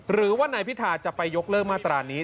หรือว่านายพิธาจะไปยกเลิกมาตรานี้